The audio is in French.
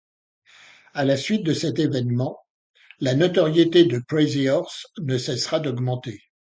À la suite de cet événement, la notoriété de Crazy Horse ne cessa d'augmenter.